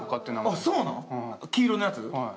あの黄色のやつ？